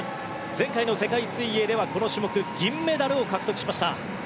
前回の世界水泳ではこの種目銀メダルを獲得しました。